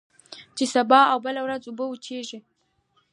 چي سبا او بله ورځ اوبه وچیږي